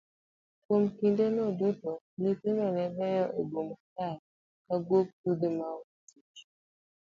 Kuom kinde no duto nyithindo nebayo e boma ka guog sudhe maonge tich.